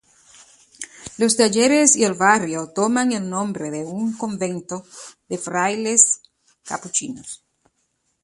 Los talleres y el barrio toman el nombre de un convento de frailes capuchinos.